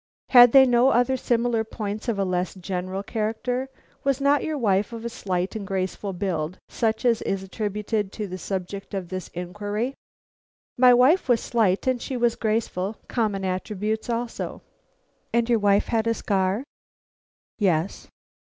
"Had they no other similar points of a less general character? Was not your wife of a slight and graceful build, such as is attributed to the subject of this inquiry?" "My wife was slight and she was graceful, common attributes also." "And your wife had a scar?" "Yes."